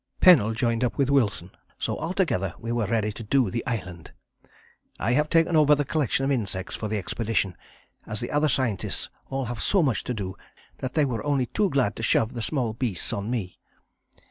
Pennell joined up with Wilson, so altogether we were ready to 'do' the island. I have taken over the collection of insects for the expedition, as the other scientists all have so much to do that they were only too glad to shove the small beasts on me.